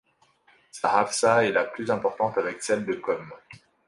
Sa hawza est la plus importante avec celle de Qom.